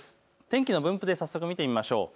天気の分布で早速見てみましょう。